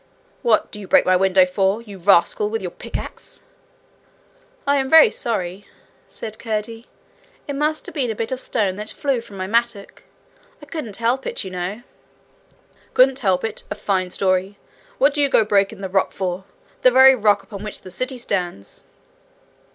'What do you break my window for, you rascal, with your pickaxe?' 'I am very sorry,' said Curdie. 'It must have been a bit of stone that flew from my mattock. I couldn't help it, you know.' 'Couldn't help it! A fine story! What do you go breaking the rock for the very rock upon which the city stands?'